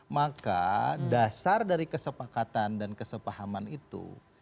maka dasar dari kesepakatan dan kesepahaman itu